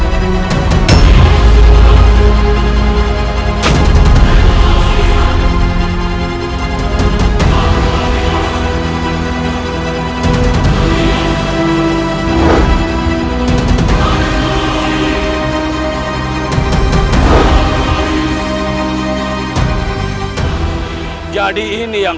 tunggu sebentar raden